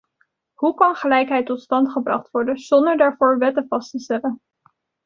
Hoe kan gelijkheid tot stand gebracht worden zonder daarvoor wetten vast te stellen?